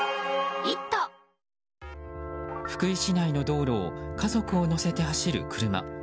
福井市内の道路を家族を乗せて走る車。